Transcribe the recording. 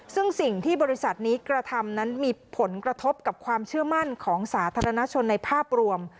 ซึ่งสิ่งที่บริษัทนี้กระทำนั้นมีผลกระทบกับความเชื่อมั่นของสาธารณชนในภาพรวม